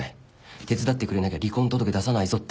手伝ってくれなきゃ離婚届出さないぞって。